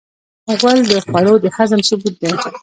غول د خوړو د هضم ثبوت دی.